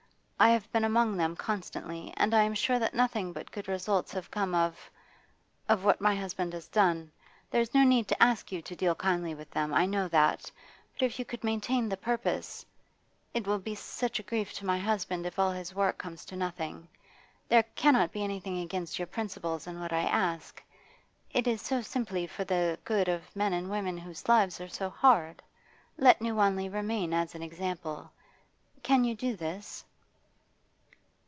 I have been among them constantly, and I am sure that nothing but good results have come of of what my husband has done. There is no need to ask you to deal kindly with them, I know that. But if you could maintain the purpose ? It will be such a grief to my husband if all his work comes to nothing. There cannot be anything against your principles in what I ask. It is so simply for the good of men and women whose lives are so hard. Let New Wanley remain as an example. Can you do this?